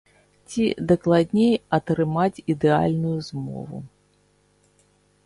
Ці, дакладней, атрымаць ідэальную змову.